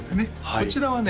こちらはね